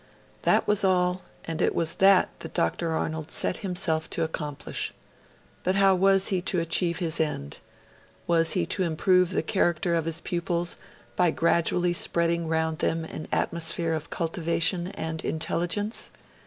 That was all; and it was that that Dr. Arnold set himself to accomplish. But how was he to achieve his end? Was he to improve the character of his pupils by gradually spreading around them an atmosphere of cultivation and intelligence?